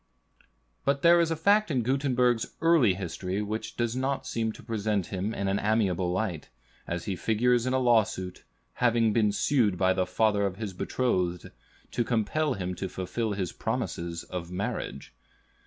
But there is a fact in Gutenberg's early history which does not seem to present him in an amiable light, as he figures in a lawsuit, having been sued by the father of his betrothed, to compel him to fulfill his promise of marriage.